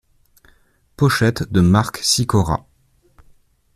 Pochette de Mark Sikora.